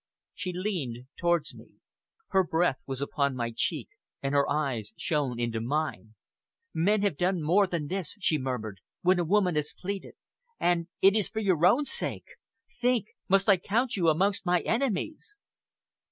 She leaned towards me. Her breath was upon my cheek, and her eyes shone into mine. "Men have done more than this," she murmured, "when a woman has pleaded and it is for your own sake. Think! Must I count you amongst my enemies?"